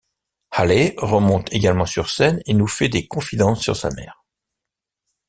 Haley remonte également sur scène et nous fait des confidences sur sa mère.